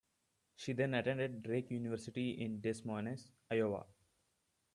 She then attended Drake University in Des Moines, Iowa.